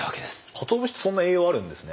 かつお節ってそんな栄養あるんですね。